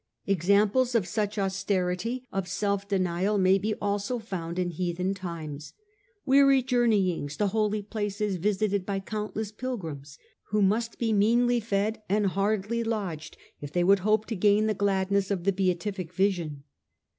Examples of such austerity of self denial may be also found in heathen times ; weary journeyings to holy places visited by countless pilgrims, who must be meanly fed and hardly lodged ' if they would hope to gain the gladness of the beatific vision.